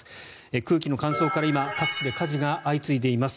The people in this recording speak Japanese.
空気の乾燥から今各地で火事が相次いでいます。